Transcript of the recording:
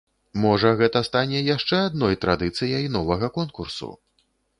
Можа, гэта стане яшчэ адной традыцыяй новага конкурсу?